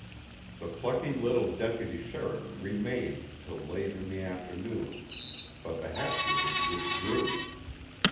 The plucky little deputy sheriff remained till late in the afternoon, but the Hatfields withdrew.